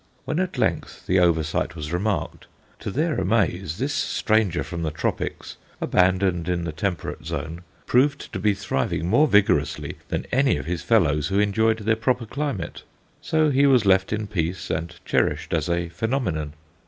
When at length the oversight was remarked, to their amaze this stranger from the tropics, abandoned in the temperate zone, proved to be thriving more vigorously than any of his fellows who enjoyed their proper climate! so he was left in peace and cherished as a "phenomenon."